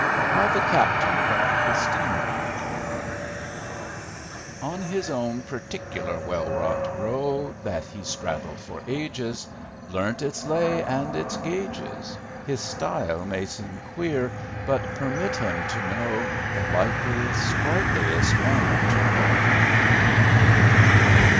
How The Captain Got His Steamer Out "On his own perticular well wrought row, That he's straddled for ages— Learnt its lay and its gages— His style may seem queer, but permit him to know, The likeliest, sprightliest, manner to hoe."